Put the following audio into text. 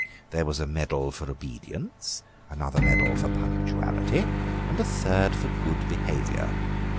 There was a medal for obedience, another medal for punctuality, and a third for good behaviour.